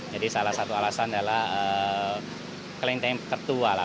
jadi salah satu alasan adalah kelenteng tertua lah